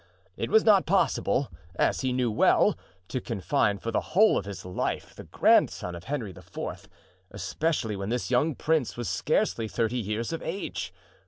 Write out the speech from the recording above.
It was not possible, as he knew well, to confine for the whole of his life the grandson of Henry IV., especially when this young prince was scarcely thirty years of age.